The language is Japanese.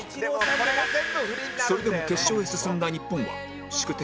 それでも決勝へ進んだ日本は宿敵